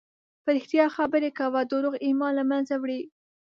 په رښتیا خبرې کوه، دروغ ایمان له منځه وړي.